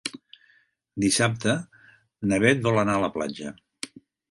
Dissabte na Bet vol anar a la platja.